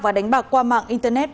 và đánh bạc qua mạng internet